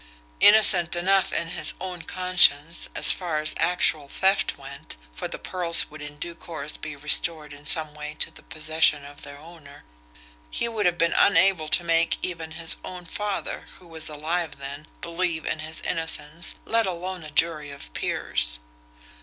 Innocent enough in his own conscience, as far as actual theft went, for the pearls would in due course be restored in some way to the possession of their owner, he would have been unable to make even his own father, who was alive then, believe in his innocence, let alone a jury of his peers.